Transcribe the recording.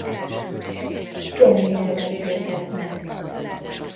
Johnnyról beszélgetnek.